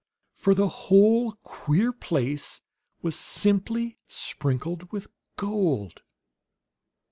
For the whole queer place was simply sprinkled with gold.